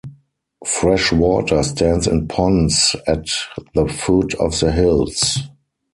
Fresh water stands in ponds at the foot of the hills.